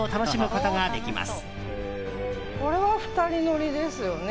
これは２人乗りですよね。